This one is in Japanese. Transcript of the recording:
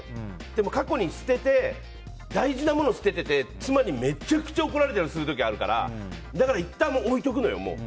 でも、過去に大事なもの捨ててて妻にめちゃくちゃ怒られたりしたことあるからいったん置いておくのよ。